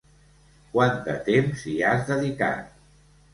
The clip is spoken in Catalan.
Quant de temps hi has dedicat?